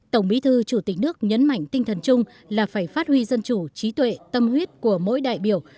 tổng bí thư chủ tịch nước nhấn mạnh tinh thần chung là phải phát huy dân chủ trí tuệ tâm huyết của mỗi đại biểu